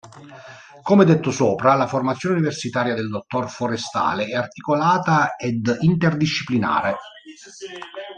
Come detto sopra la formazione universitaria del Dottore Forestale è articolata ed interdisciplinare.